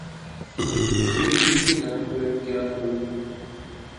مسلم لیگ کے نام پر کیا خوب